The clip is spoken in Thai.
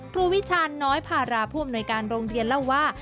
ครูวิชานน้อยภาราภูมิหน่วยการโรงเรียนเล่าว่า